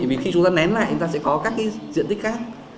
vì khi chúng ta ném lại chúng ta sẽ có các cái diện tích khác